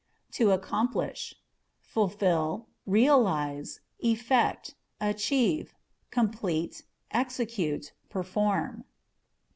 To Accomplish â€" fulfil, realize, effect, achieve, complete, execute, perform.